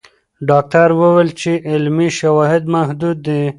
ډاکټره وویل چې علمي شواهد محدود دي.